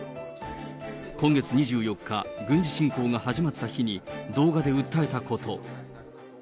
今月２４日、軍事侵攻が始まった日に、動画で訴えたこと。